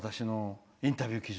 インタビュー記事。